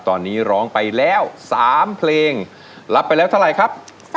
ตอนนี้ร้องไปแล้ว๓เพลงรับไปแล้วเท่าไหร่ครับ